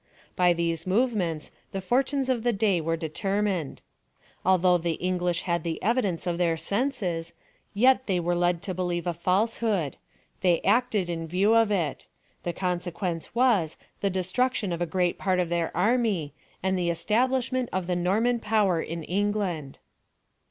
By these move ments the fortunes of the day were determined. Although the English had the evidence of theii senses, yet they were led to believe a falsehood — tliey acted in view of it ; the consequence was, the destrnction of a great part of their army, and the establishment of the Norman power in England.